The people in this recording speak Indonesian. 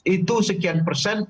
itu sekian persen